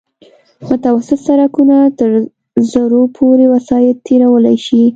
متوسط سرکونه تر زرو پورې وسایط تېرولی شي